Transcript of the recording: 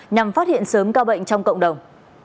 nhằm phát hiện sớm ca bệnh trong cộng đồng